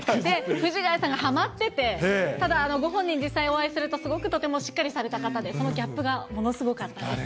藤ヶ谷さんがはまってて、ただ、ご本人に実際お会いすると、すごくとてもしっかりされた方で、そのギャップがものすごかったです。